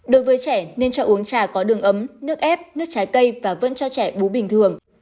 đối với trẻ nên cho uống trà có đường ấm nước ép nước trái cây và vẫn cho trẻ bú bình thường